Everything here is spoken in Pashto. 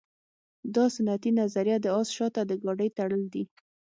دا سنتي نظریه د اس شاته د ګاډۍ تړل دي.